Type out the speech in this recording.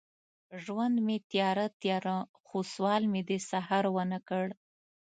ژوند مې تیاره، تیاره، خو سوال مې د سهار ونه کړ